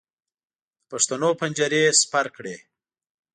د پښتیو پنجرې سپر کړې.